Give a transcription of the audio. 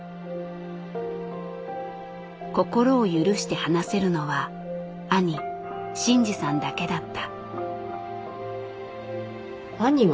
心を許して話せるのは兄晋治さんだけだった。